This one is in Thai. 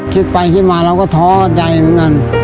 คิดไปคิดมาเราก็ท้อใจเหมือนกัน